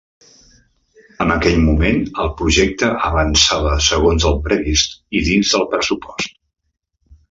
En aquell moment, el projecte avançava segons el previst i dins del pressupost.